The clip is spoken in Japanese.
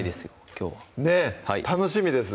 きょうはねぇ楽しみです